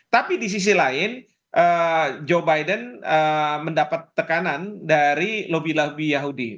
tapi di sisi lain joe biden mendapat tekanan dari lobby lobby yahudi